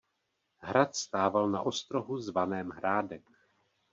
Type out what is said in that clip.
Hrad stával na ostrohu zvaném "Hrádek".